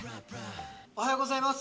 おはようございます。